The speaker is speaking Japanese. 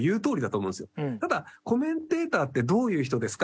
ただ「コメンテーターってどういう人ですか？」